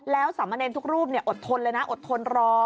แล้วสามเณรทุกรูปอดทนเลยนะอดทนรอ